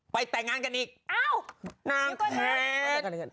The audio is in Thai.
ไปแต่งงานกันอีกนางแข็ง